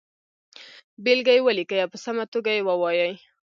بېلګه یې ولیکئ او په سمه توګه یې ووایئ.